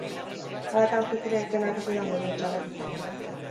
Hala eta guztiz ere, denak ez dira ondorio txarrak izango.